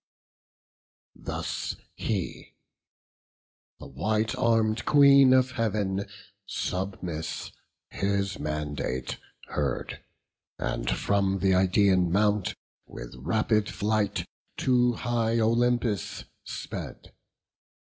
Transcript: Thus he; the white arm'd Queen of Heav'n submiss His mandate heard; and from th' Idaean mount With rapid flight to high Olympus sped.